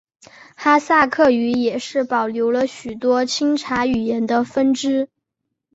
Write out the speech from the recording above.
哈萨克语也是保留了最多钦察语言的分支。